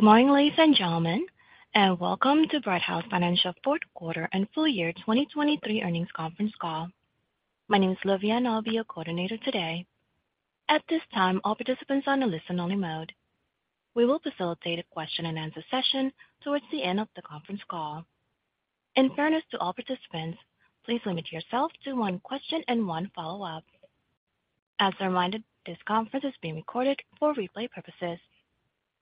Good morning, ladies and gentlemen, and welcome to Brighthouse Financial fourth quarter and full year 2023 earnings conference call. My name is Livia and I'll be your coordinator today. At this time, all participants are on a listen-only mode. We will facilitate a question-and-answer session towards the end of the conference call. In fairness to all participants, please limit yourself to one question and one follow-up. As a reminder, this conference is being recorded for replay purposes.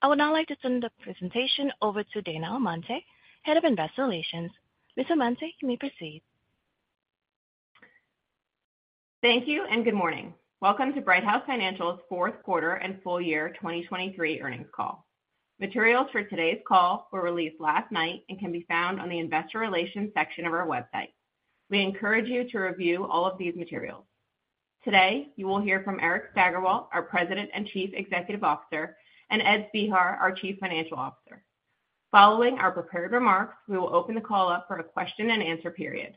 I would now like to turn the presentation over to Dana Amante, Head of Investor Relations. Ms. Amante, you may proceed. Thank you and good morning. Welcome to Brighthouse Financial's fourth quarter and full year 2023 earnings call. Materials for today's call were released last night and can be found on the investor relations section of our website. We encourage you to review all of these materials. Today, you will hear from Eric Steigerwalt, our president and chief executive officer, and Ed Spehar, our chief financial officer. Following our prepared remarks, we will open the call up for a question-and-answer period.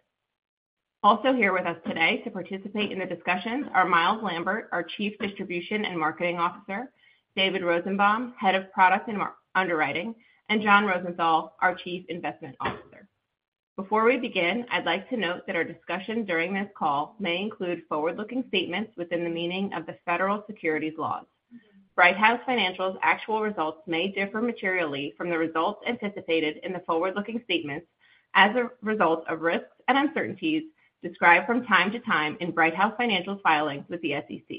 Also here with us today to participate in the discussions are Myles Lambert, our chief distribution and marketing officer; David Rosenbaum, head of product and underwriting; and John Rosenthal, our chief investment officer. Before we begin, I'd like to note that our discussion during this call may include forward-looking statements within the meaning of the federal securities laws. Brighthouse Financial's actual results may differ materially from the results anticipated in the forward-looking statements as a result of risks and uncertainties described from time to time in Brighthouse Financial's filings with the SEC.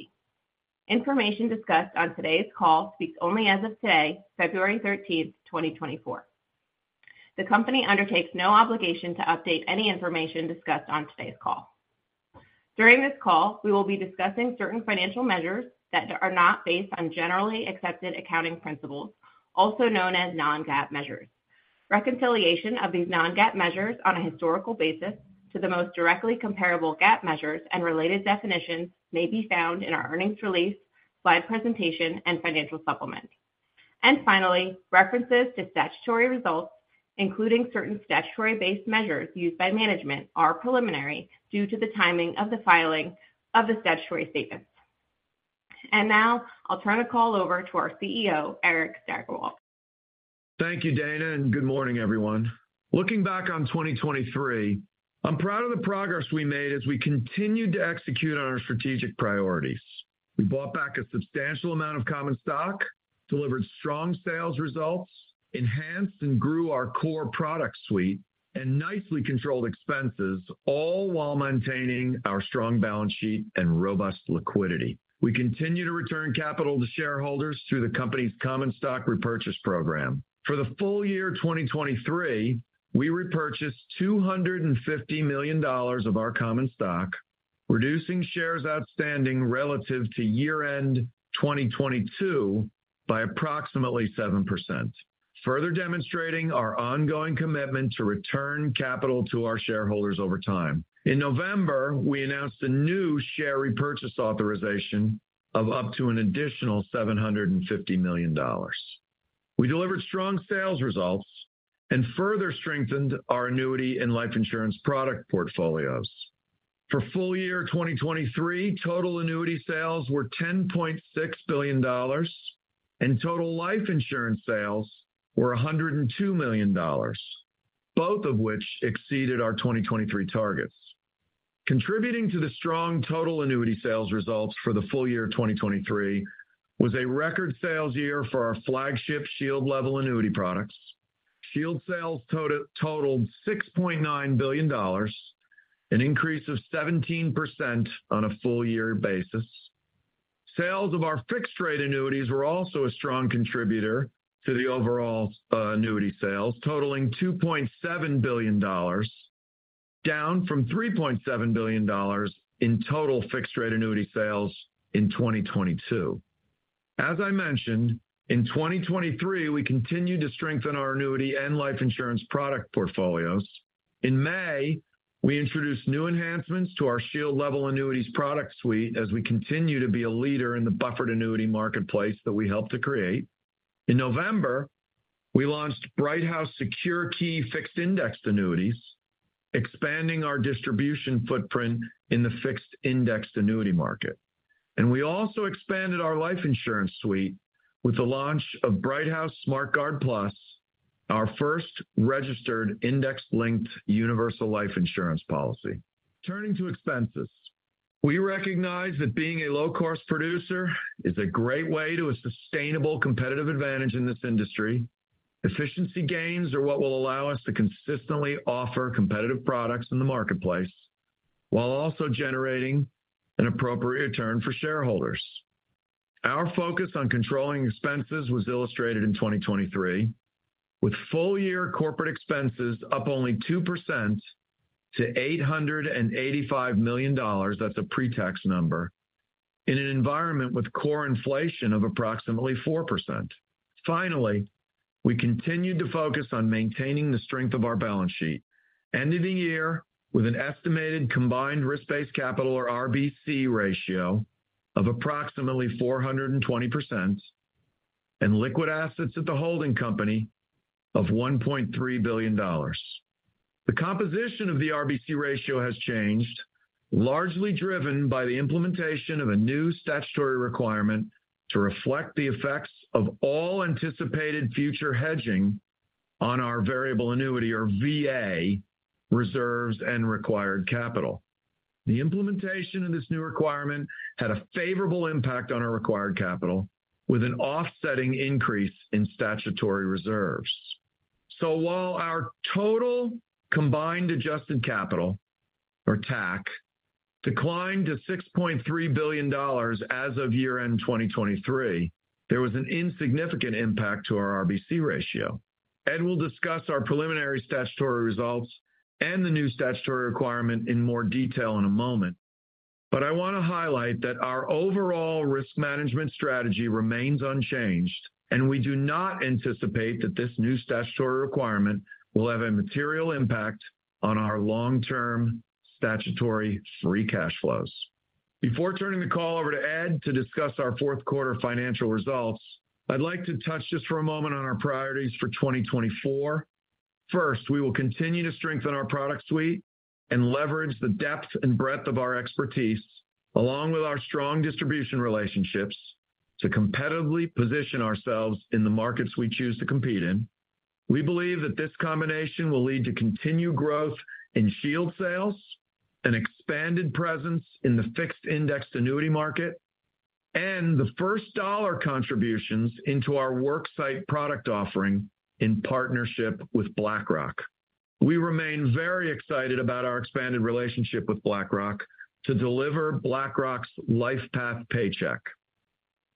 Information discussed on today's call speaks only as of today, February 13th, 2024. The company undertakes no obligation to update any information discussed on today's call. During this call, we will be discussing certain financial measures that are not based on Generally Accepted Accounting Principles, also known as non-GAAP measures. Reconciliation of these non-GAAP measures on a historical basis to the most directly comparable GAAP measures and related definitions may be found in our earnings release, slide presentation, and financial supplement. Finally, references to statutory results, including certain statutory-based measures used by management, are preliminary due to the timing of the filing of the statutory statements. Now I'll turn the call over to our CEO, Eric Steigerwalt. Thank you, Dana, and good morning, everyone. Looking back on 2023, I'm proud of the progress we made as we continued to execute on our strategic priorities. We bought back a substantial amount of common stock, delivered strong sales results, enhanced and grew our core product suite, and nicely controlled expenses, all while maintaining our strong balance sheet and robust liquidity. We continue to return capital to shareholders through the company's common stock repurchase program. For the full year 2023, we repurchased $250 million of our common stock, reducing shares outstanding relative to year-end 2022 by approximately 7%, further demonstrating our ongoing commitment to return capital to our shareholders over time. In November, we announced a new share repurchase authorization of up to an additional $750 million. We delivered strong sales results and further strengthened our annuity and life insurance product portfolios. For full year 2023, total annuity sales were $10.6 billion, and total life insurance sales were $102 million, both of which exceeded our 2023 targets. Contributing to the strong total annuity sales results for the full year 2023 was a record sales year for our flagship Shield Level annuity products. Shield sales totaled $6.9 billion, an increase of 17% on a full-year basis. Sales of our fixed-rate annuities were also a strong contributor to the overall annuity sales, totaling $2.7 billion, down from $3.7 billion in total fixed-rate annuity sales in 2022. As I mentioned, in 2023, we continued to strengthen our annuity and life insurance product portfolios. In May, we introduced new enhancements to our Shield Level annuities product suite as we continue to be a leader in the buffered annuity marketplace that we helped to create. In November, we launched Brighthouse SecureKey Fixed Indexed Annuities, expanding our distribution footprint in the fixed indexed annuity market. We also expanded our life insurance suite with the launch of Brighthouse SmartGuard Plus, our first registered index-linked universal life insurance policy. Turning to expenses, we recognize that being a low-cost producer is a great way to a sustainable competitive advantage in this industry. Efficiency gains are what will allow us to consistently offer competitive products in the marketplace while also generating an appropriate return for shareholders. Our focus on controlling expenses was illustrated in 2023, with full-year corporate expenses up only 2% to $885 million, that's a pretax number, in an environment with core inflation of approximately 4%. Finally, we continued to focus on maintaining the strength of our balance sheet, ending the year with an estimated combined risk-based capital, or RBC, ratio of approximately 420%, and liquid assets at the holding company of $1.3 billion. The composition of the RBC ratio has changed, largely driven by the implementation of a new statutory requirement to reflect the effects of all anticipated future hedging on our variable annuity, or VA, reserves and required capital. The implementation of this new requirement had a favorable impact on our required capital, with an offsetting increase in statutory reserves. So while our total combined adjusted capital, or TAC, declined to $6.3 billion as of year-end 2023, there was an insignificant impact to our RBC ratio. Ed will discuss our preliminary statutory results and the new statutory requirement in more detail in a moment, but I want to highlight that our overall risk management strategy remains unchanged, and we do not anticipate that this new statutory requirement will have a material impact on our long-term statutory free cash flows. Before turning the call over to Ed to discuss our fourth quarter financial results, I'd like to touch just for a moment on our priorities for 2024. First, we will continue to strengthen our product suite and leverage the depth and breadth of our expertise, along with our strong distribution relationships, to competitively position ourselves in the markets we choose to compete in. We believe that this combination will lead to continued growth in Shield sales, an expanded presence in the fixed indexed annuity market, and the first-dollar contributions into our worksite product offering in partnership with BlackRock. We remain very excited about our expanded relationship with BlackRock to deliver BlackRock's LifePath Paycheck.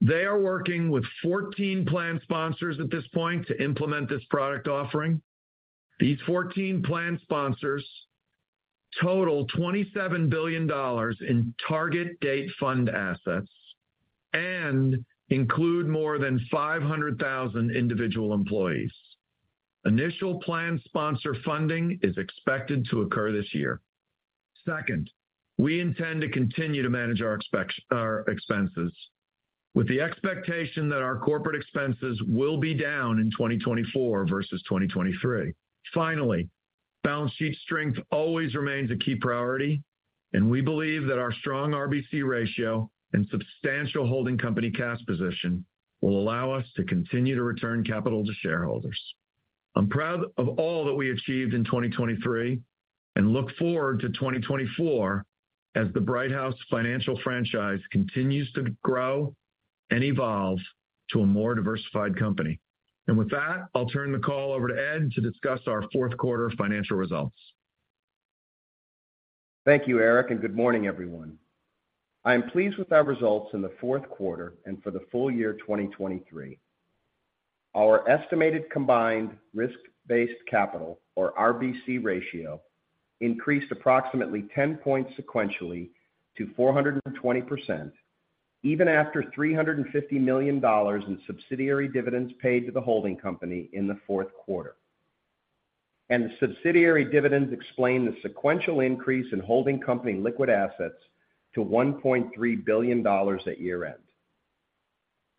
They are working with 14 plan sponsors at this point to implement this product offering. These 14 plan sponsors total $27 billion in target-date fund assets and include more than 500,000 individual employees. Initial plan sponsor funding is expected to occur this year. Second, we intend to continue to manage our expenses with the expectation that our corporate expenses will be down in 2024 versus 2023. Finally, balance sheet strength always remains a key priority, and we believe that our strong RBC ratio and substantial holding company cash position will allow us to continue to return capital to shareholders. I'm proud of all that we achieved in 2023 and look forward to 2024 as the Brighthouse Financial franchise continues to grow and evolve to a more diversified company. With that, I'll turn the call over to Ed to discuss our fourth quarter financial results. Thank you, Eric, and good morning, everyone. I am pleased with our results in the fourth quarter and for the full year 2023. Our estimated combined risk-based capital, or RBC, ratio increased approximately 10 points sequentially to 420%, even after $350 million in subsidiary dividends paid to the holding company in the fourth quarter. The subsidiary dividends explain the sequential increase in holding company liquid assets to $1.3 billion at year-end.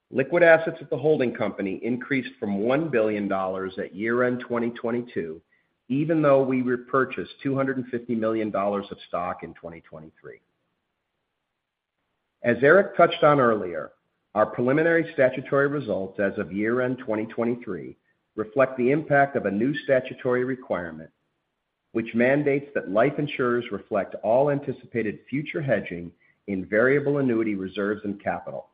Liquid assets at the holding company increased from $1 billion at year-end 2022, even though we repurchased $250 million of stock in 2023. As Eric touched on earlier, our preliminary statutory results as of year-end 2023 reflect the impact of a new statutory requirement, which mandates that life insurers reflect all anticipated future hedging in variable annuity reserves and capital.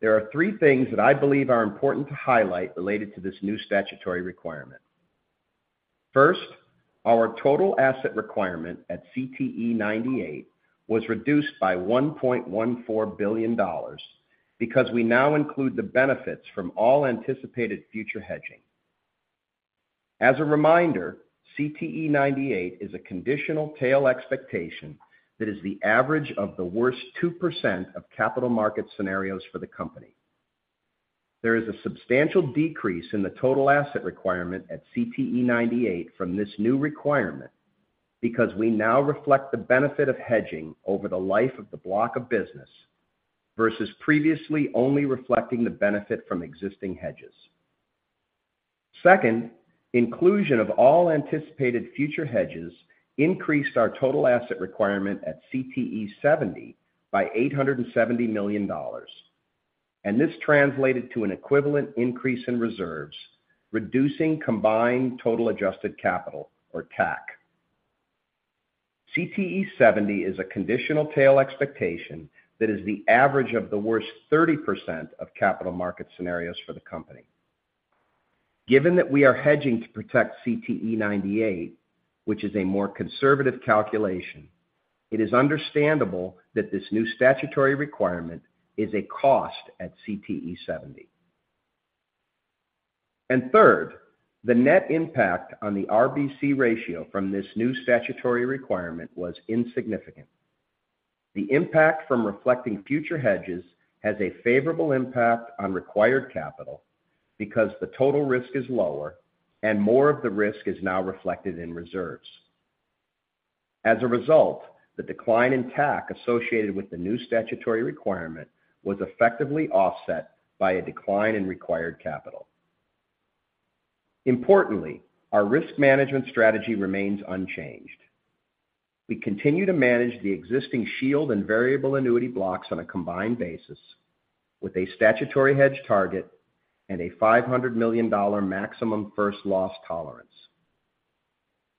There are three things that I believe are important to highlight related to this new statutory requirement. First, our total asset requirement at CTE98 was reduced by $1.14 billion because we now include the benefits from all anticipated future hedging. As a reminder, CTE98 is a conditional tail expectation that is the average of the worst 2% of capital market scenarios for the company. There is a substantial decrease in the total asset requirement at CTE98 from this new requirement because we now reflect the benefit of hedging over the life of the block of business versus previously only reflecting the benefit from existing hedges. Second, inclusion of all anticipated future hedges increased our total asset requirement at CTE70 by $870 million, and this translated to an equivalent increase in reserves, reducing combined total adjusted capital, or TAC. CTE70 is a conditional tail expectation that is the average of the worst 30% of capital market scenarios for the company. Given that we are hedging to protect CTE98, which is a more conservative calculation, it is understandable that this new statutory requirement is a cost at CTE70. And third, the net impact on the RBC ratio from this new statutory requirement was insignificant. The impact from reflecting future hedges has a favorable impact on required capital because the total risk is lower, and more of the risk is now reflected in reserves. As a result, the decline in TAC associated with the new statutory requirement was effectively offset by a decline in required capital. Importantly, our risk management strategy remains unchanged. We continue to manage the existing Shield and variable annuity blocks on a combined basis with a statutory hedge target and a $500 million maximum first loss tolerance.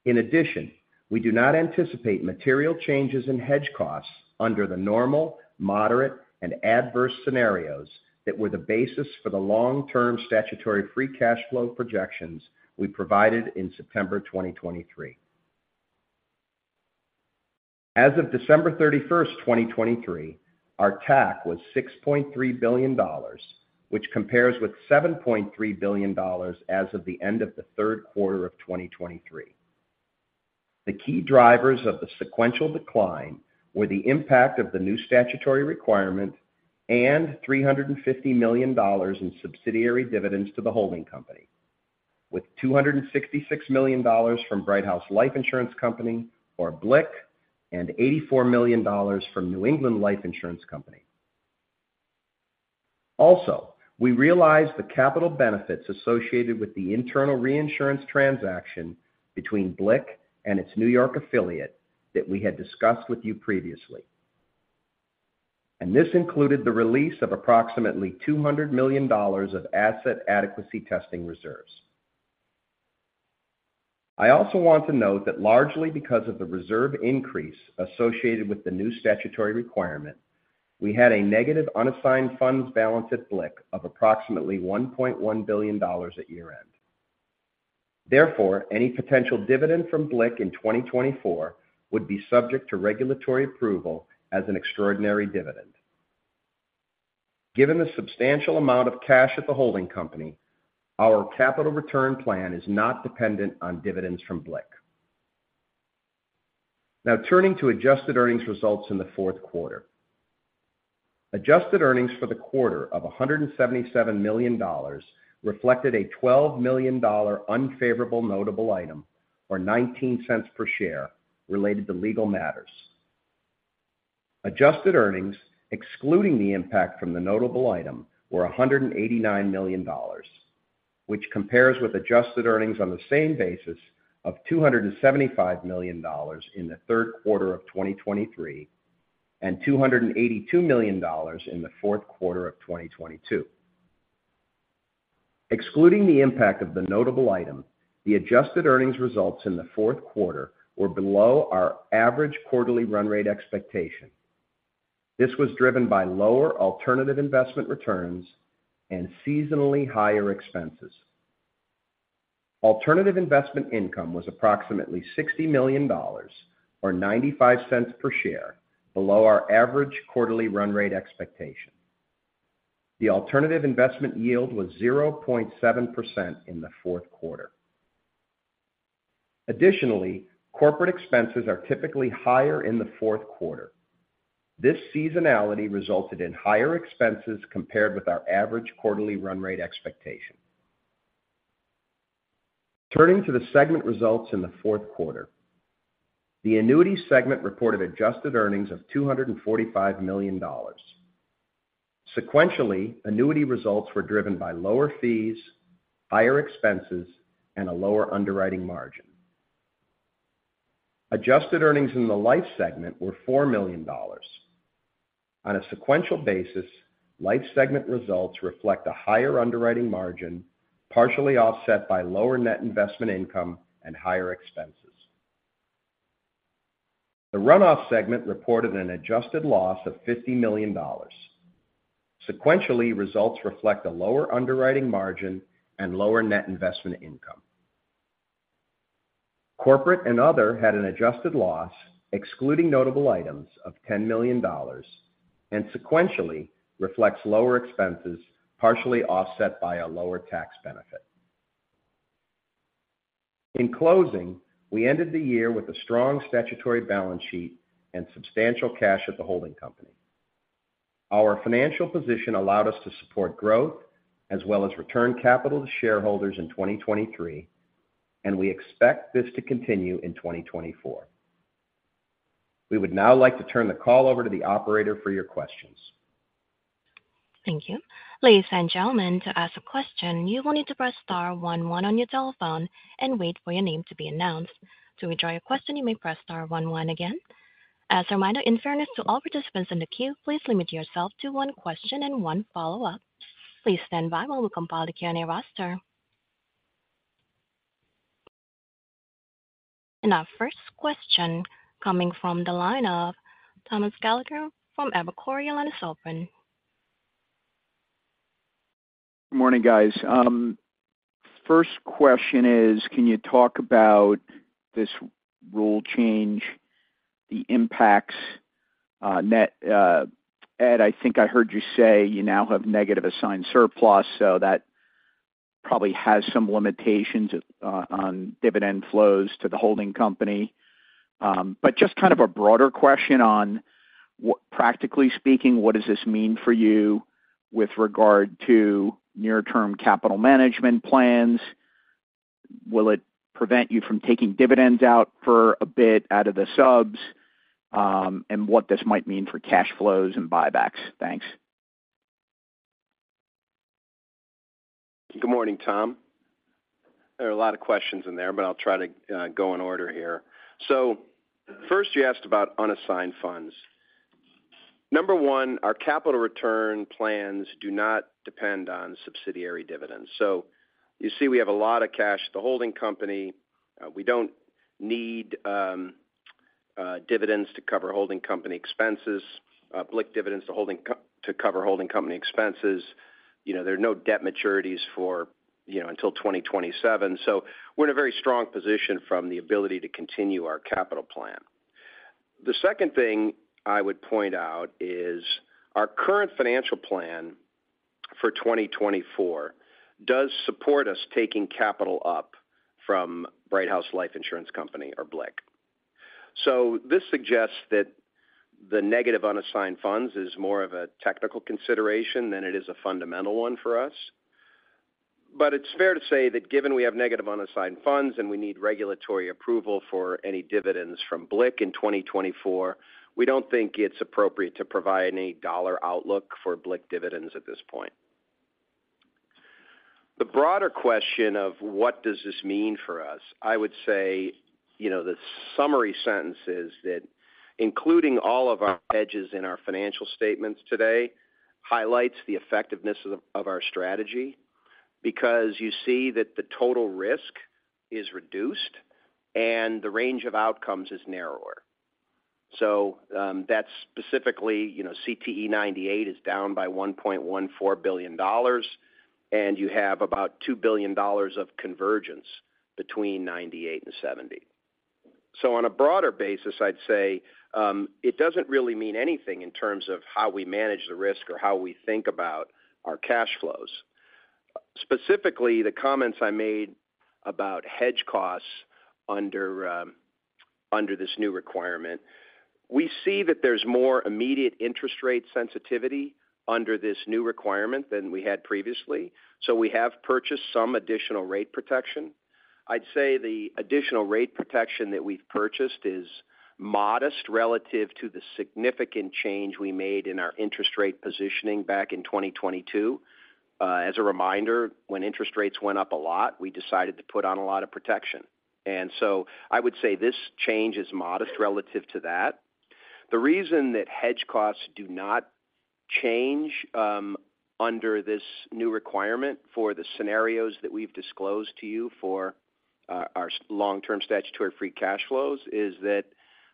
In addition, we do not anticipate material changes in hedge costs under the normal, moderate, and adverse scenarios that were the basis for the long-term statutory free cash flow projections we provided in September 2023. As of December 31, 2023, our TAC was $6.3 billion, which compares with $7.3 billion as of the end of the third quarter of 2023. The key drivers of the sequential decline were the impact of the new statutory requirement and $350 million in subsidiary dividends to the holding company, with $266 million from Brighthouse Life Insurance Company, or BLIC, and $84 million from New England Life Insurance Company. Also, we realized the capital benefits associated with the internal reinsurance transaction between BLIC and its New York affiliate that we had discussed with you previously, and this included the release of approximately $200 million of Asset Adequacy Testing reserves. I also want to note that largely because of the reserve increase associated with the new statutory requirement, we had a negative unassigned funds balance at BLIC of approximately $1.1 billion at year-end. Therefore, any potential dividend from BLIC in 2024 would be subject to regulatory approval as an extraordinary dividend. Given the substantial amount of cash at the holding company, our capital return plan is not dependent on dividends from BLIC. Now, turning to adjusted earnings results in the fourth quarter. Adjusted earnings for the quarter of $177 million reflected a $12 million unfavorable notable item, or $0.19 per share, related to legal matters. Adjusted earnings, excluding the impact from the notable item, were $189 million, which compares with adjusted earnings on the same basis of $275 million in the third quarter of 2023 and $282 million in the fourth quarter of 2022. Excluding the impact of the notable item, the adjusted earnings results in the fourth quarter were below our average quarterly run-rate expectation. This was driven by lower alternative investment returns and seasonally higher expenses. Alternative investment income was approximately $60 million, or $0.95 per share, below our average quarterly run-rate expectation. The alternative investment yield was 0.7% in the fourth quarter. Additionally, corporate expenses are typically higher in the fourth quarter. This seasonality resulted in higher expenses compared with our average quarterly run-rate expectation. Turning to the segment results in the fourth quarter. The annuity segment reported adjusted earnings of $245 million. Sequentially, annuity results were driven by lower fees, higher expenses, and a lower underwriting margin. Adjusted earnings in the life segment were $4 million. On a sequential basis, life segment results reflect a higher underwriting margin, partially offset by lower net investment income and higher expenses. The run-off segment reported an adjusted loss of $50 million. Sequentially, results reflect a lower underwriting margin and lower net investment income. Corporate and other had an adjusted loss, excluding notable items, of $10 million, and sequentially reflects lower expenses, partially offset by a lower tax benefit. In closing, we ended the year with a strong statutory balance sheet and substantial cash at the holding company. Our financial position allowed us to support growth as well as return capital to shareholders in 2023, and we expect this to continue in 2024. We would now like to turn the call over to the operator for your questions. Thank you. Ladies and gentlemen, to ask a question, you will need to press star one one on your telephone and wait for your name to be announced. To withdraw your question, you may press star one one again. As a reminder, in fairness to all participants in the queue, please limit yourself to one question and one follow-up. Please stand by while we compile the Q&A roster. Our first question coming from the line of Thomas Gallagher from Evercore ISI. Good morning, guys. First question is, can you talk about this rule change, the impacts? Ed, I think I heard you say you now have negative assigned surplus, so that probably has some limitations on dividend flows to the holding company. But just kind of a broader question on, practically speaking, what does this mean for you with regard to near-term capital management plans? Will it prevent you from taking dividends out for a bit out of the subs? And what this might mean for cash flows and buybacks? Thanks. Good morning, Tom. There are a lot of questions in there, but I'll try to go in order here. So first, you asked about unassigned funds. Number one, our capital return plans do not depend on subsidiary dividends. So you see we have a lot of cash at the holding company. We don't need dividends to cover holding company expenses, BLIC dividends to cover holding company expenses. There are no debt maturities until 2027. So we're in a very strong position from the ability to continue our capital plan. The second thing I would point out is our current financial plan for 2024 does support us taking capital up from Brighthouse Life Insurance Company, or BLIC. So this suggests that the negative unassigned funds is more of a technical consideration than it is a fundamental one for us. But it's fair to say that given we have negative unassigned funds and we need regulatory approval for any dividends from BLIC in 2024, we don't think it's appropriate to provide any dollar outlook for BLIC dividends at this point. The broader question of what does this mean for us, I would say the summary sentence is that including all of our hedges in our financial statements today highlights the effectiveness of our strategy because you see that the total risk is reduced and the range of outcomes is narrower. So that's specifically CTE98 is down by $1.14 billion, and you have about $2 billion of convergence between 98 and 70. So on a broader basis, I'd say it doesn't really mean anything in terms of how we manage the risk or how we think about our cash flows. Specifically, the comments I made about hedge costs under this new requirement, we see that there's more immediate interest rate sensitivity under this new requirement than we had previously. So we have purchased some additional rate protection. I'd say the additional rate protection that we've purchased is modest relative to the significant change we made in our interest rate positioning back in 2022. As a reminder, when interest rates went up a lot, we decided to put on a lot of protection. And so I would say this change is modest relative to that. The reason that hedge costs do not change under this new requirement for the scenarios that we've disclosed to you for our long-term statutory free cash flows is that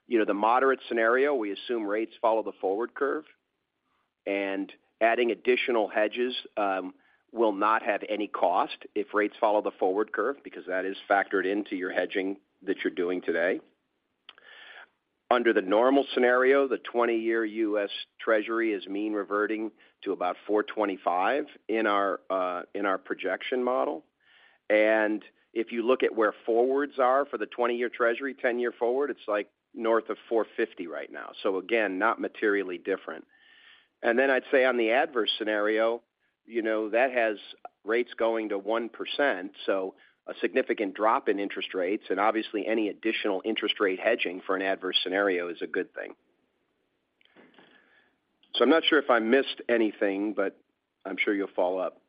in the moderate scenario, we assume rates follow the forward curve, and adding additional hedges will not have any cost if rates follow the forward curve because that is factored into your hedging that you're doing today. Under the normal scenario, the 20-year U.S. Treasury is mean reverting to about 425 in our projection model. And if you look at where forwards are for the 20-year Treasury, 10-year forward, it's north of 450 right now. So again, not materially different. And then I'd say on the adverse scenario, that has rates going to 1%, so a significant drop in interest rates, and obviously any additional interest rate hedging for an adverse scenario is a good thing. I'm not sure if I missed anything, but I'm sure you'll follow up.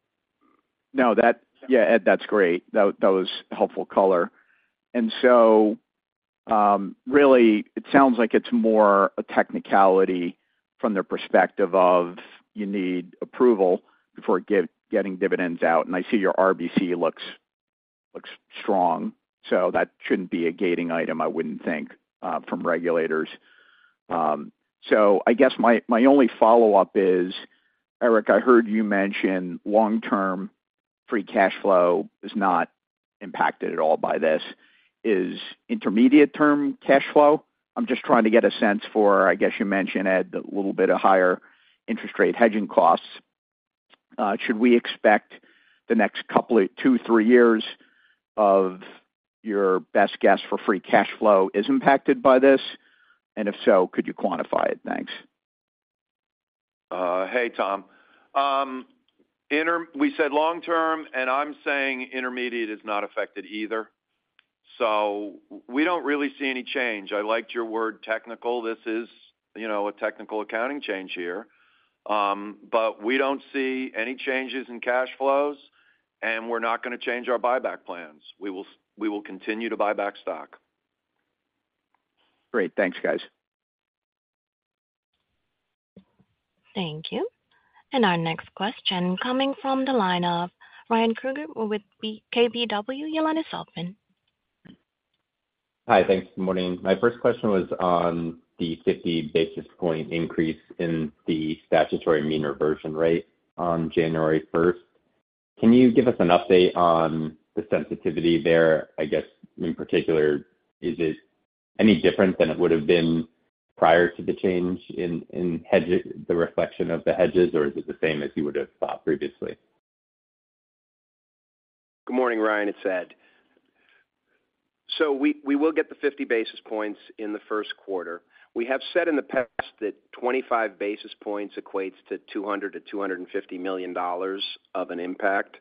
No, yeah, Ed, that's great. That was helpful color. And so really, it sounds like it's more a technicality from their perspective of you need approval before getting dividends out. And I see your RBC looks strong. So that shouldn't be a gating item, I wouldn't think, from regulators. So I guess my only follow-up is, Eric, I heard you mention long-term free cash flow is not impacted at all by this. Is intermediate-term cash flow I'm just trying to get a sense for, I guess you mentioned, Ed, a little bit of higher interest rate hedging costs. Should we expect the next two, three years of your best guess for free cash flow is impacted by this? And if so, could you quantify it? Thanks. Hey, Tom. We said long-term, and I'm saying intermediate is not affected either. So we don't really see any change. I liked your word technical. This is a technical accounting change here. But we don't see any changes in cash flows, and we're not going to change our buyback plans. We will continue to buy back stock. Great. Thanks, guys. Thank you. And our next question coming from the line of Ryan Krueger with KBW. Hi. Thanks. Good morning. My first question was on the 50 basis point increase in the statutory mean reversion rate on January 1st. Can you give us an update on the sensitivity there? I guess, in particular, is it any different than it would have been prior to the change in the reflection of the hedges, or is it the same as you would have thought previously? Good morning, Ryan. It's Ed. So we will get the 50 basis points in the first quarter. We have said in the past that 25 basis points equates to $200 million-$250 million of an impact.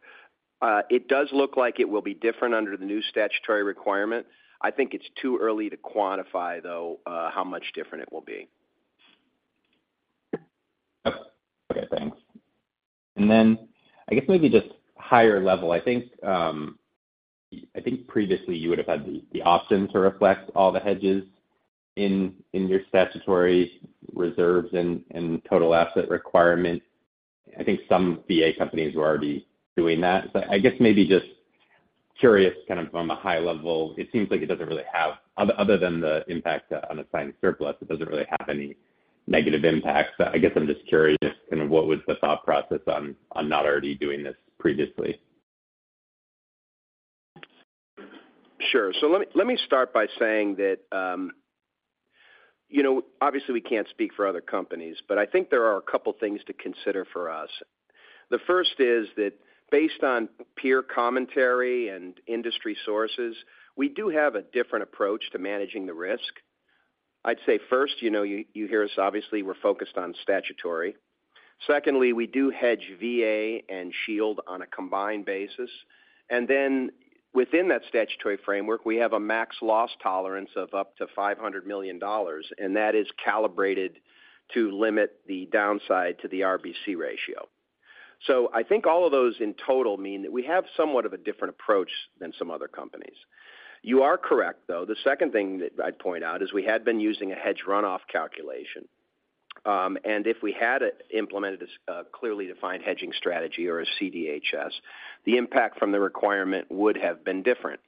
It does look like it will be different under the new statutory requirement. I think it's too early to quantify, though, how much different it will be. Okay. Thanks. And then I guess maybe just higher level. I think previously, you would have had the option to reflect all the hedges in your statutory reserves and total asset requirement. I think some VA companies were already doing that. So I guess maybe just curious kind of on a high level, it seems like it doesn't really have other than the impact to unassigned surplus, it doesn't really have any negative impacts. I guess I'm just curious kind of what was the thought process on not already doing this previously. Sure. So let me start by saying that obviously, we can't speak for other companies, but I think there are a couple of things to consider for us. The first is that based on peer commentary and industry sources, we do have a different approach to managing the risk. I'd say first, you hear us, obviously, we're focused on statutory. Secondly, we do hedge VA and Shield on a combined basis. And then within that statutory framework, we have a max loss tolerance of up to $500 million, and that is calibrated to limit the downside to the RBC ratio. So I think all of those in total mean that we have somewhat of a different approach than some other companies. You are correct, though. The second thing that I'd point out is we had been using a hedge runoff calculation. And if we had implemented a clearly defined hedging strategy or a CDHS, the impact from the requirement would have been different.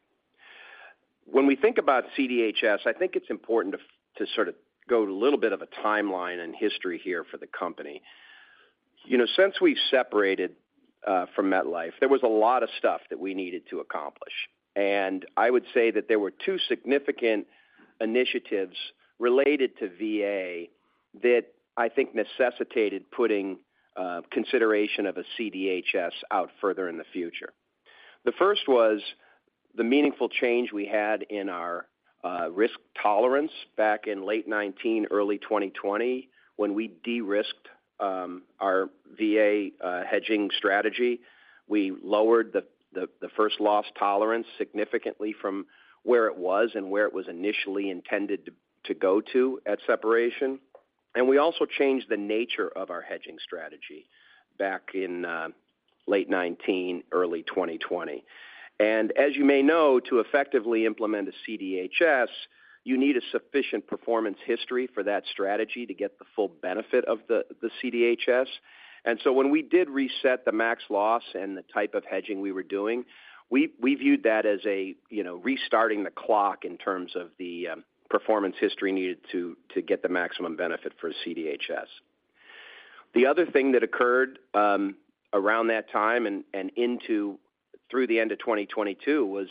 When we think about CDHS, I think it's important to sort of go to a little bit of a timeline and history here for the company. Since we've separated from MetLife, there was a lot of stuff that we needed to accomplish. And I would say that there were two significant initiatives related to VA that I think necessitated putting consideration of a CDHS out further in the future. The first was the meaningful change we had in our risk tolerance back in late 2019, early 2020, when we de-risked our VA hedging strategy. We lowered the first loss tolerance significantly from where it was and where it was initially intended to go to at separation. We also changed the nature of our hedging strategy back in late 2019, early 2020. As you may know, to effectively implement a CDHS, you need a sufficient performance history for that strategy to get the full benefit of the CDHS. So when we did reset the max loss and the type of hedging we were doing, we viewed that as restarting the clock in terms of the performance history needed to get the maximum benefit for a CDHS. The other thing that occurred around that time and through the end of 2022 was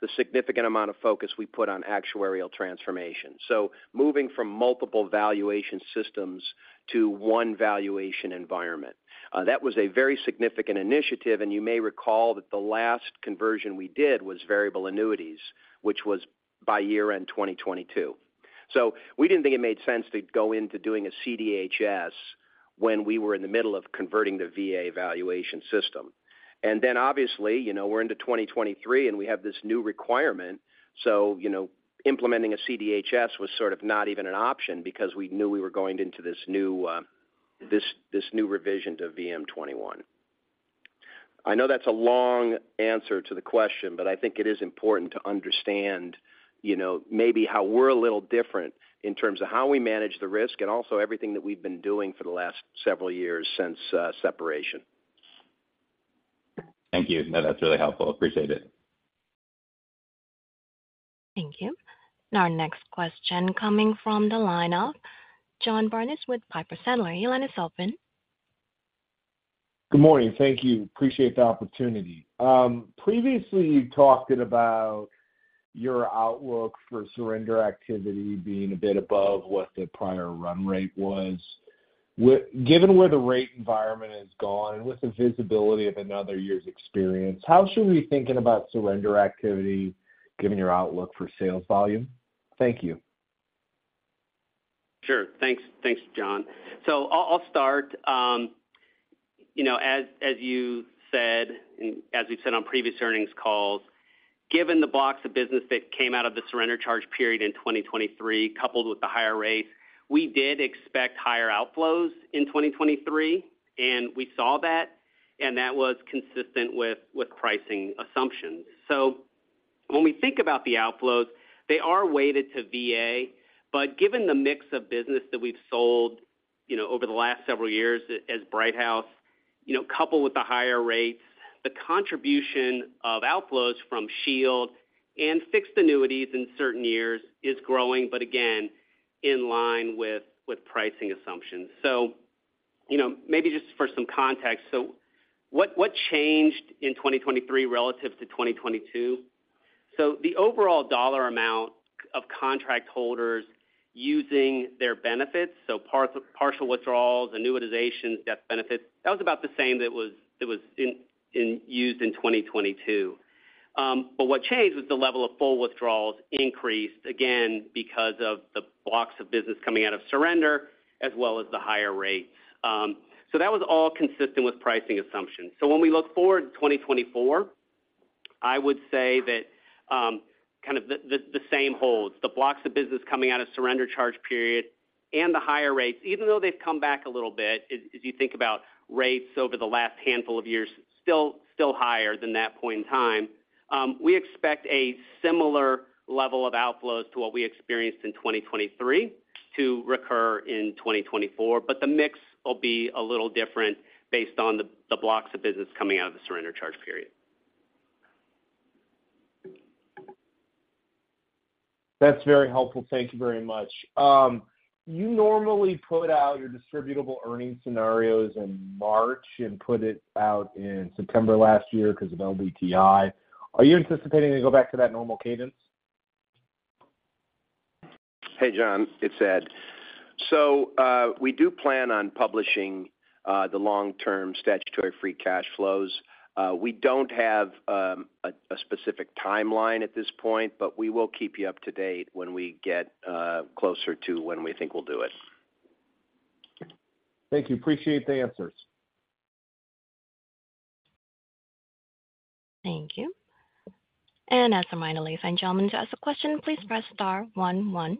the significant amount of focus we put on actuarial transformation. So moving from multiple valuation systems to one valuation environment. That was a very significant initiative, and you may recall that the last conversion we did was variable annuities, which was by year-end 2022. So we didn't think it made sense to go into doing a CDHS when we were in the middle of converting the VA valuation system. And then obviously, we're into 2023, and we have this new requirement. So implementing a CDHS was sort of not even an option because we knew we were going into this new revision to VM-21. I know that's a long answer to the question, but I think it is important to understand maybe how we're a little different in terms of how we manage the risk and also everything that we've been doing for the last several years since separation. Thank you. No, that's really helpful. Appreciate it. Thank you. Our next question coming from the line of John Barnidge with Piper Sandler. Your line is open. Good morning. Thank you. Appreciate the opportunity. Previously, you talked about your outlook for surrender activity being a bit above what the prior run rate was. Given where the rate environment has gone and with the visibility of another year's experience, how should we be thinking about surrender activity given your outlook for sales volume? Thank you. Sure. Thanks, John. So I'll start. As you said and as we've said on previous earnings calls, given the blocks of business that came out of the surrender charge period in 2023 coupled with the higher rates, we did expect higher outflows in 2023, and we saw that, and that was consistent with pricing assumptions. So when we think about the outflows, they are weighted to VA, but given the mix of business that we've sold over the last several years as Brighthouse, coupled with the higher rates, the contribution of outflows from Shield and fixed annuities in certain years is growing, but again, in line with pricing assumptions. So maybe just for some context, so what changed in 2023 relative to 2022? So the overall dollar amount of contract holders using their benefits, so partial withdrawals, annuitizations, death benefits, that was about the same that was used in 2022. But what changed was the level of full withdrawals increased, again, because of the blocks of business coming out of surrender as well as the higher rates. So that was all consistent with pricing assumptions. So when we look forward to 2024, I would say that kind of the same holds. The blocks of business coming out of surrender charge period and the higher rates, even though they've come back a little bit, as you think about rates over the last handful of years, still higher than that point in time. We expect a similar level of outflows to what we experienced in 2023 to recur in 2024, but the mix will be a little different based on the blocks of business coming out of the surrender charge period. That's very helpful. Thank you very much. You normally put out your distributable earnings scenarios in March and put it out in September last year because of LBTI. Are you anticipating to go back to that normal cadence? Hey, John. It's Ed. So we do plan on publishing the long-term statutory free cash flows. We don't have a specific timeline at this point, but we will keep you up to date when we get closer to when we think we'll do it. Thank you. Appreciate the answers. Thank you. As a reminder, ladies and gentlemen, to ask a question, please press star one one.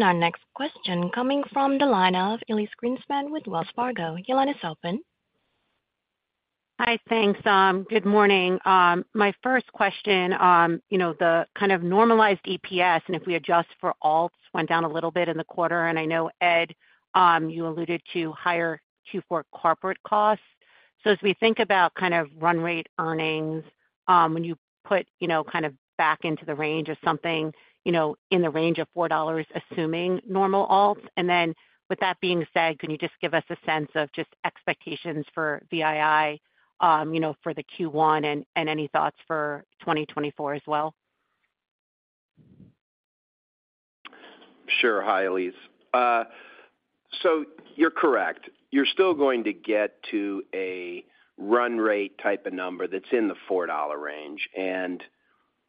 Our next question coming from the line of Elyse Greenspan with Wells Fargo. Hi. Thanks, Tom. Good morning. My first question, the kind of normalized EPS and if we adjust for alts went down a little bit in the quarter, and I know, Ed, you alluded to higher Q4 corporate costs. So as we think about kind of run rate earnings, when you put kind of back into the range of something in the range of $4, assuming normal alts. And then with that being said, can you just give us a sense of just expectations for VII for the Q1 and any thoughts for 2024 as well? Sure. Hi, Elyse. So you're correct. You're still going to get to a run rate type of number that's in the $4 range. And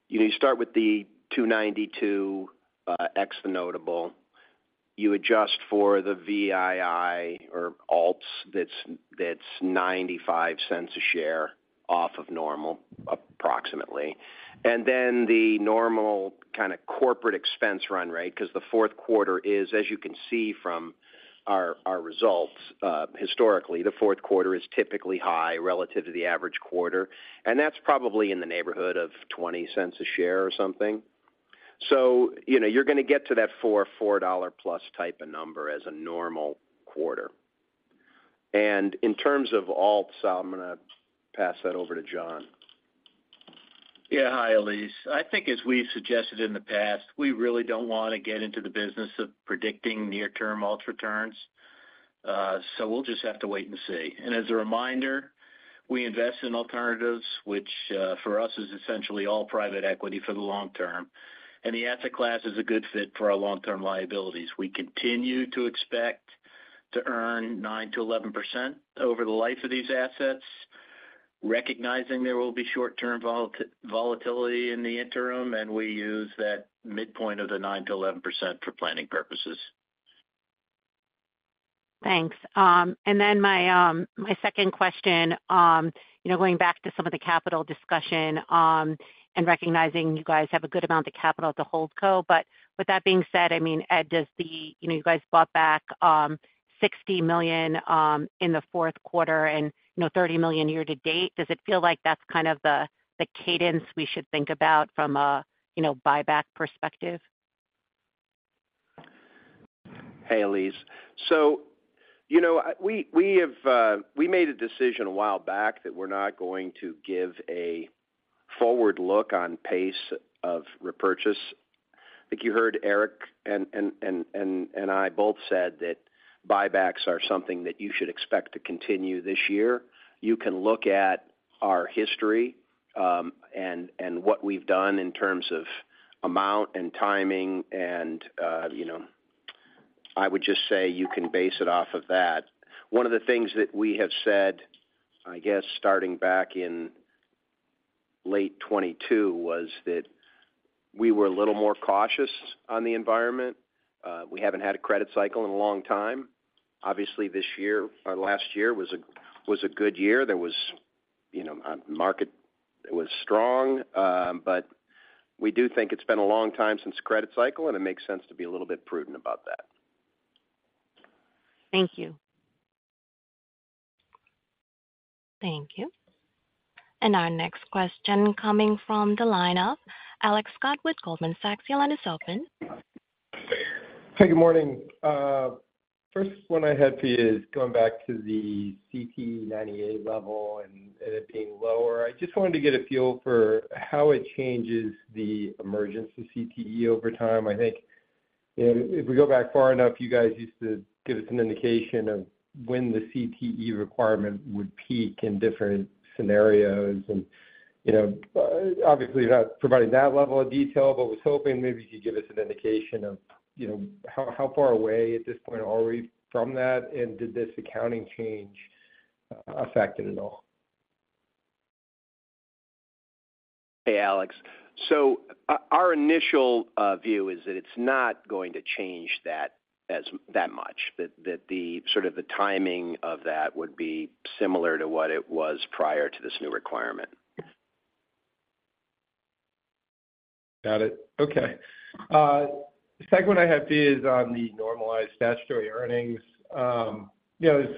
you start with the $2.92 EPS annual. You adjust for the VA or alts, that's $0.95 a share off of normal, approximately. And then the normal kind of corporate expense run rate because the fourth quarter is, as you can see from our results, historically, the fourth quarter is typically high relative to the average quarter. And that's probably in the neighborhood of $0.20 a share or something. So you're going to get to that $4+ type of number as a normal quarter. And in terms of alts, I'm going to pass that over to John. Yeah. Hi, Elyse. I think as we've suggested in the past, we really don't want to get into the business of predicting near-term alts returns. So we'll just have to wait and see. And as a reminder, we invest in alternatives, which for us is essentially all private equity for the long term. And the asset class is a good fit for our long-term liabilities. We continue to expect to earn 9%-11% over the life of these assets, recognizing there will be short-term volatility in the interim, and we use that midpoint of the 9%-11% for planning purposes. Thanks. Then my second question, going back to some of the capital discussion and recognizing you guys have a good amount of capital at the Hold Co. But with that being said, I mean, Ed, does the you guys bought back $60 million in the fourth quarter and $30 million year to date. Does it feel like that's kind of the cadence we should think about from a buyback perspective? Hey, Elyse. So we made a decision a while back that we're not going to give a forward look on pace of repurchase. I think you heard Eric and I both said that buybacks are something that you should expect to continue this year. You can look at our history and what we've done in terms of amount and timing, and I would just say you can base it off of that. One of the things that we have said, I guess, starting back in late 2022 was that we were a little more cautious on the environment. We haven't had a credit cycle in a long time. Obviously, this year, our last year was a good year. The market, it was strong, but we do think it's been a long time since credit cycle, and it makes sense to be a little bit prudent about that. Thank you. Thank you. And our next question coming from the line of Alex Scott with Goldman Sachs. Hey, good morning. First one I had for you is going back to the CTE98 level and it being lower. I just wanted to get a feel for how it changes the emerging CTE over time. I think if we go back far enough, you guys used to give us an indication of when the CTE requirement would peak in different scenarios. Obviously, you're not providing that level of detail, but was hoping maybe you could give us an indication of how far away at this point are we from that, and did this accounting change affect it at all? Hey, Alex. So our initial view is that it's not going to change that much, that sort of the timing of that would be similar to what it was prior to this new requirement. Got it. Okay. The second one I have for you is on the normalized statutory earnings. It was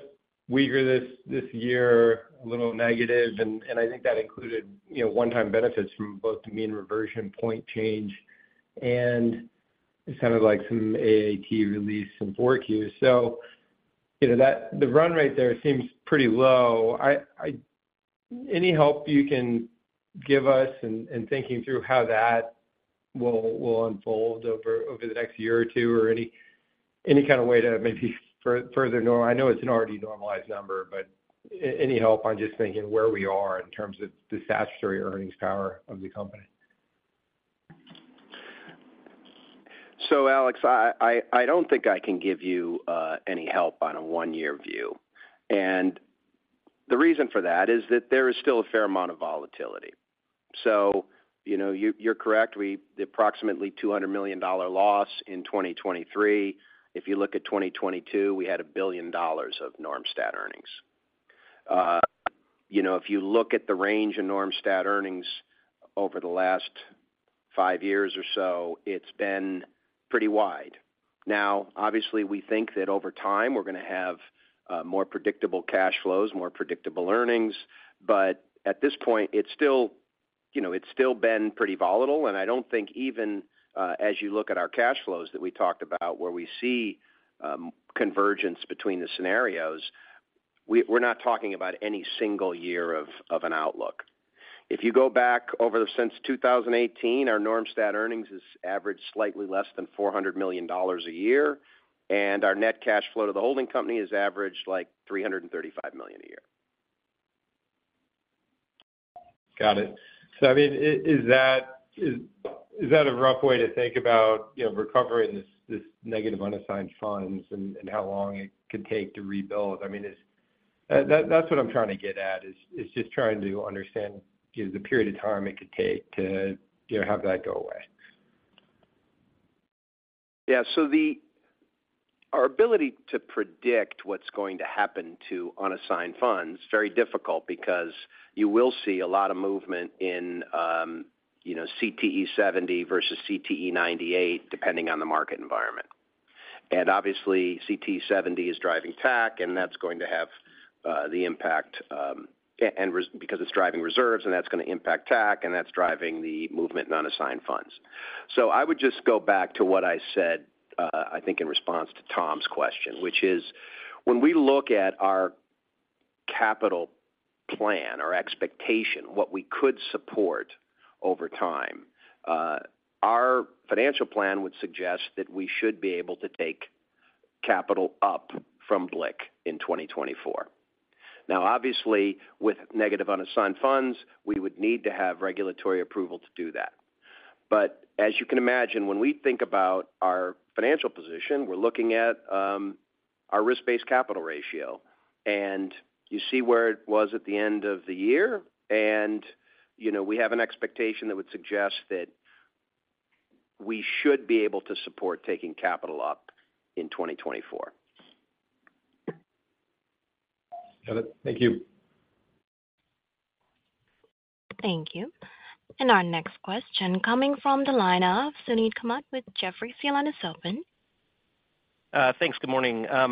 weaker this year, a little negative, and I think that included one-time benefits from both the mean reversion point change and it sounded like some AAT release in 4Q. So the run rate there seems pretty low. Any help you can give us in thinking through how that will unfold over the next year or two or any kind of way to maybe further normalize? I know it's an already normalized number, but any help on just thinking where we are in terms of the statutory earnings power of the company? So, Alex, I don't think I can give you any help on a one-year view. The reason for that is that there is still a fair amount of volatility. You're correct. The approximately $200 million loss in 2023. If you look at 2022, we had $1 billion of norm stat earnings. If you look at the range of norm stat earnings over the last five years or so, it's been pretty wide. Now, obviously, we think that over time, we're going to have more predictable cash flows, more predictable earnings. But at this point, it's still been pretty volatile. I don't think even as you look at our cash flows that we talked about where we see convergence between the scenarios, we're not talking about any single year of an outlook. If you go back over since 2018, our norm stat earnings have averaged slightly less than $400 million a year, and our net cash flow to the holding company has averaged like $335 million a year. Got it. So, I mean, is that a rough way to think about recovering this negative unassigned funds and how long it could take to rebuild? I mean, that's what I'm trying to get at is just trying to understand the period of time it could take to have that go away. Yeah. So our ability to predict what's going to happen to unassigned funds is very difficult because you will see a lot of movement in CTE70 versus CTE98 depending on the market environment. And obviously, CTE70 is driving TAC, and that's going to have the impact because it's driving reserves, and that's going to impact TAC, and that's driving the movement in unassigned funds. So I would just go back to what I said, I think, in response to Tom's question, which is when we look at our capital plan, our expectation, what we could support over time, our financial plan would suggest that we should be able to take capital up from BLIC in 2024. Now, obviously, with negative unassigned funds, we would need to have regulatory approval to do that. As you can imagine, when we think about our financial position, we're looking at our risk-based capital ratio. You see where it was at the end of the year? We have an expectation that would suggest that we should be able to support taking capital up in 2024. Got it. Thank you. Thank you. Our next question coming from the line of Suneet Kamath with Jefferies. Yolanda Sopran. Thanks. Good morning. So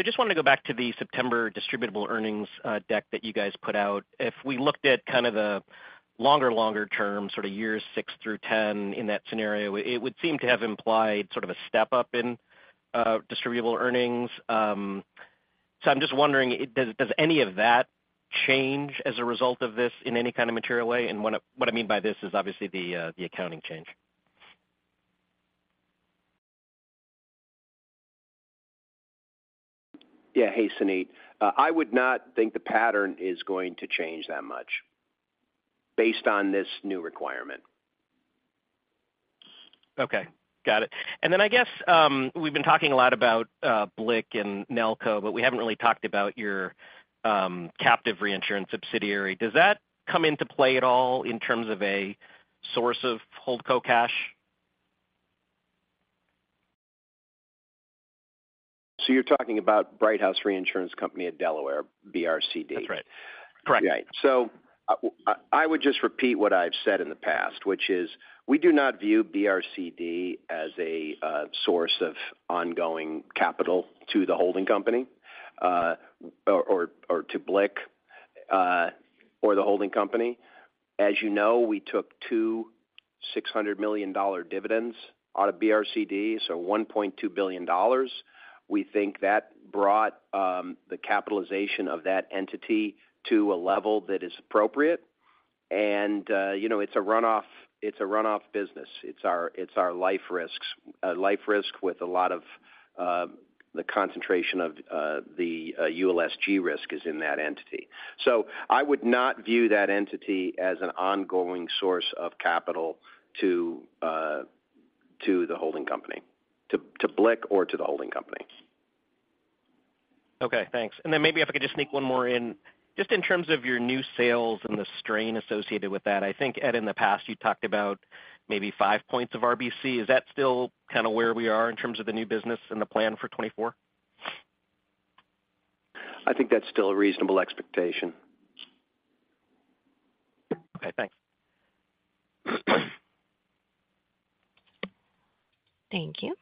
I just wanted to go back to the September distributable earnings deck that you guys put out. If we looked at kind of the longer, longer term, sort of years 6 through 10 in that scenario, it would seem to have implied sort of a step up in distributable earnings. So I'm just wondering, does any of that change as a result of this in any kind of material way? And what I mean by this is obviously the accounting change. Yeah. Hey, Suneet. I would not think the pattern is going to change that much based on this new requirement. Okay. Got it. And then I guess we've been talking a lot about BLIC and NELCO, but we haven't really talked about your captive reinsurance subsidiary. Does that come into play at all in terms of a source of Hold Co cash? So you're talking about Brighthouse Reinsurance Company of Delaware, BRCD? That's right. Correct. Right. So I would just repeat what I've said in the past, which is we do not view BRCD as a source of ongoing capital to the holding company or to BLIC or the holding company. As you know, we took two $600 million dividends out of BRCD, so $1.2 billion. We think that brought the capitalization of that entity to a level that is appropriate. And it's a runoff business. It's our life risks, a life risk with a lot of the concentration of the ULSG risk is in that entity. So I would not view that entity as an ongoing source of capital to the holding company, to BLIC or to the holding company. Okay. Thanks. And then maybe if I could just sneak one more in, just in terms of your new sales and the strain associated with that, I think, Ed, in the past, you talked about maybe five points of RBC. Is that still kind of where we are in terms of the new business and the plan for 2024? I think that's still a reasonable expectation. Okay. Thanks. Thank you.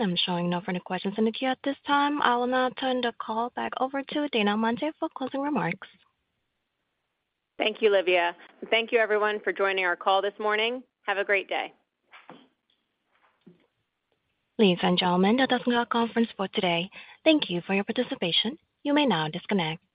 I'm showing no further questions in the queue at this time. I will now turn the call back over to Dana Amante for closing remarks. Thank you, Livia. Thank you, everyone, for joining our call this morning. Have a great day. Ladies and gentlemen, that does conclude our conference for today. Thank you for your participation. You may now disconnect.